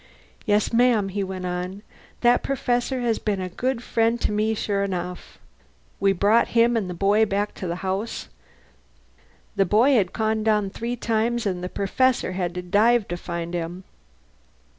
"Yes, ma'am," he went on, "that Perfessor has been a good friend to me, sure enough. We brought him an' the boy back to the house. The boy had gone down three times an' the Perfessor had to dive to find him.